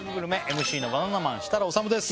ＭＣのバナナマン設楽統です